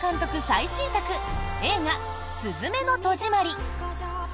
最新作映画「すずめの戸締まり」。